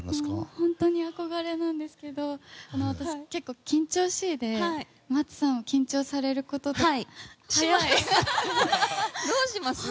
本当に憧れなんですけど私、結構緊張しいで松さんは緊張されることとか。